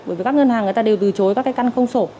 bởi vì các ngân hàng người ta đều từ chối các cái căn không sổ